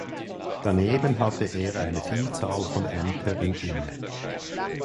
Daneben hatte er eine Vielzahl von Ämtern inne.